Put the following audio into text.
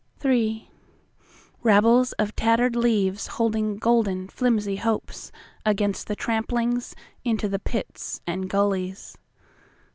IIIRabbles of tattered leavesHolding golden flimsy hopesAgainst the tramplingsInto the pits and gullies.